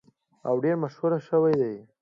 او ډیره مشهوره شوې ده.